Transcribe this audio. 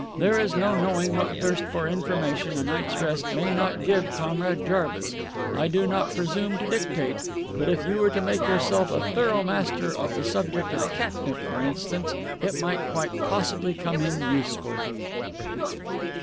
There is no knowing what thirst for information a night's rest may not give Comrade Jarvis. I do not presume to dictate, but if you were to make yourself a thorough master of the subject of catnip, for instance, it might quite possibly come in useful."